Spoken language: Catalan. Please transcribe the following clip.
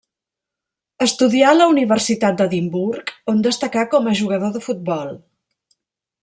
Estudià a la Universitat d'Edimburg on destacà com a jugador de futbol.